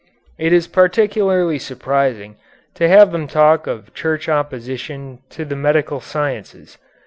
It is particularly surprising to have them talk of Church opposition to the medical sciences.